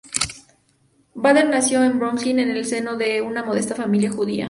Bader nació en Brooklyn en el seno de una modesta familia judía.